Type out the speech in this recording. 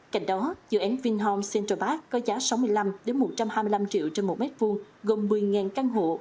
cạnh đó dự án vinhomes central park có giá sáu mươi năm một trăm hai mươi năm triệu trên một mét vuông gồm một mươi căn hộ